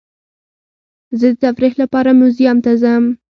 زه د تفریح لپاره میوزیم ته ځم.